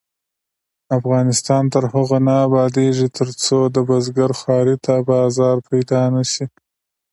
افغانستان تر هغو نه ابادیږي، ترڅو د بزګر خوارۍ ته بازار پیدا نشي.